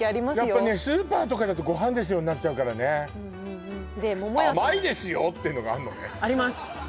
やっぱねスーパーとかだとごはんですよ！になっちゃうからねあまいですよ！ってのがあんのねあります